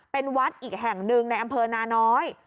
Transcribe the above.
เป็นวัดอีกแห่งหนึ่งในอำเภอนาน้อย